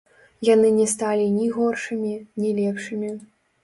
Яны не сталі ні горшымі, ні лепшымі.